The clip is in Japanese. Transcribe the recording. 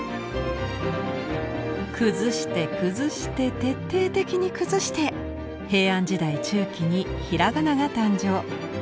崩して崩して徹底的に崩して平安時代中期に平仮名が誕生。